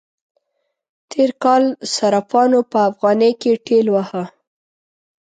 تېر کال صرافانو په افغانی کې ټېل واهه.